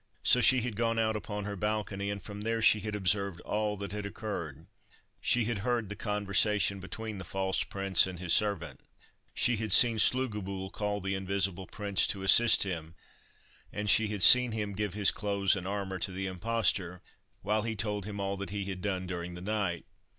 So she had gone out upon her balcony, and from there she had observed all that had occurred. She had heard the conversation between the false prince and his servant. She had seen Slugobyl call the Invisible Prince to assist him, and she had seen him give his clothes and armour to the impostor, while he told him all that he had done during the night.